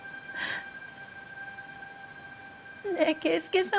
ねえ圭介さん